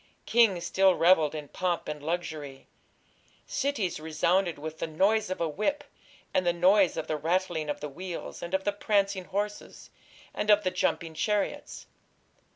Kings still revelled in pomp and luxury. Cities resounded with "the noise of a whip, and the noise of the rattling of the wheels, and of the prancing horses, and of the jumping chariots.